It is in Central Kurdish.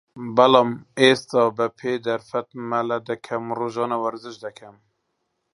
بەڵام ئێستا بە پێی دەرفەت مەلە دەکەم و رۆژانە وەرزش دەکەم